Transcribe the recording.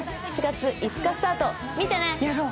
７月５日スタート見てね